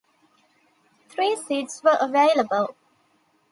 Three seats were available.